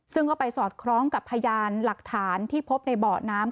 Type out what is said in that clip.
ซึ่งก็ไปสอดคล้องกับพยานหลักฐานที่พบในเบาะน้ำ